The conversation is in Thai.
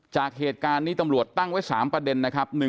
จากเหตุการณ์นี้ตำรวจตั้งไว้๓ประเด็นนะครับ